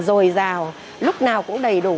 rồi rào lúc nào cũng đầy đủ